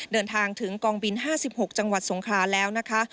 เดินทางถึงกองบิน๕๖จังหวัดสงคราแล้วนะคะ